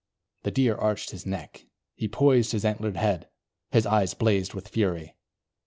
The Deer arched his neck; he poised his antlered head; his eyes blazed with fury.